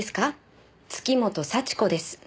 月本幸子です。